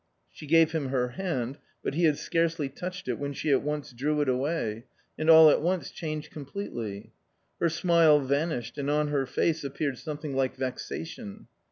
She gave him her hand, but he had scarcely touched it when she at once drew it away — and all at once changed completely. Her smile vanished, and on her face appeared something like vexation.